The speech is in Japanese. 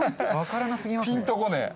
わからなすぎますね。